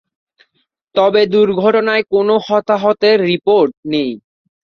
তবে দুর্ঘটনায় কোন হতাহতের রিপোর্ট নেই।